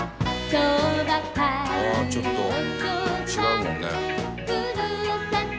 「ああちょっと違うもんね」